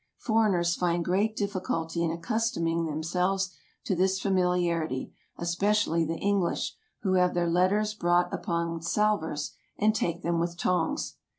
Foreigners find great diffi culty in accustoming themselves to this familiarity, especially the English, who have their letters brought upon salvers, and take them with tongs.